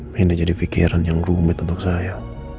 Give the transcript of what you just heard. ini jadi pikiran yang rumit untuk saya